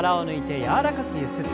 柔らかくゆすって。